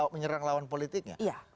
menyerang lawan politiknya